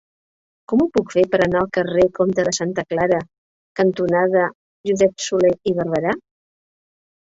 Com ho puc fer per anar al carrer Comte de Santa Clara cantonada Josep Solé i Barberà?